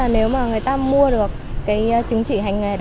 nếu người ta mua được chứng chỉ hành nghề